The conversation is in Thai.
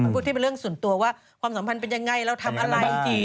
พูดที่เป็นเรื่องส่วนตัวว่าความสัมพันธ์เป็นยังไงเราทำอะไร